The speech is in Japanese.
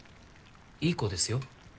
いい子ですよ。